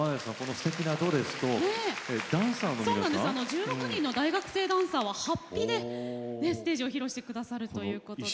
１６人の大学生ダンサーは法被でステージを披露してくださるということです。